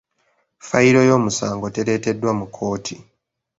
Fayiro y’omusango tereeteddwa mu kkooti.